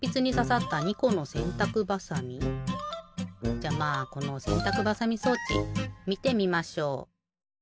じゃまあこのせんたくばさみ装置みてみましょう！